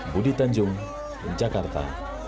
budi tanjung jakarta